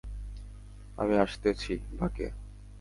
আমি আসতেছি, বাকে।